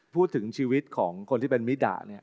พูดถึงชีวิตของคนที่เป็นมิดะเนี่ย